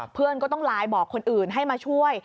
เพื่อนก็ต้องไลน์บอกคนอื่นให้มาช่วย